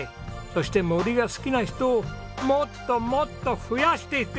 そして森が好きな人をもっともっと増やしていってください。